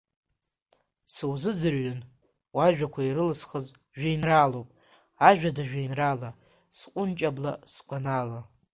Сыузыӡырҩын, уажәақәа ирылысхыз жәеинраалоуп, ажәада жәеинраала, сҟәынҷабла, сгәанаала.